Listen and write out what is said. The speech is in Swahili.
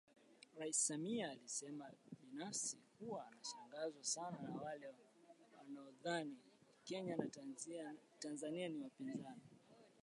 Rais Samia alisemaBinafsi huwa nashangazwa sana wale wanaodhani Kenya na Tanzania ni wapinzani